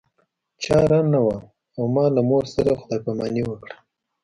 چاره نه وه او ما له مور سره خدای پاماني وکړه